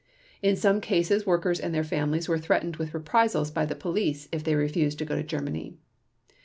In some cases workers and their families were threatened with reprisals by the police if they refused to go to Germany.